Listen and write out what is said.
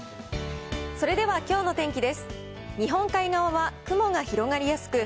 それではきょうの天気です。